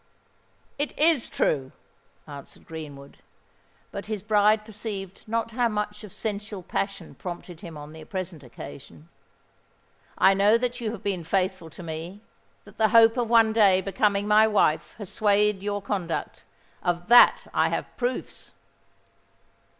"It is true," answered Greenwood;—but his bride perceived not how much of sensual passion prompted him on the present occasion. "I know that you have been faithful to me—that the hope of one day becoming my wife has swayed your conduct. Of that I have had proofs."